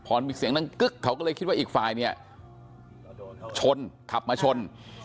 พอมีเสียงนั่งกึ๊กเขาก็เลยคิดว่าอีกฝ่ายเนี่ยชนขับมาชน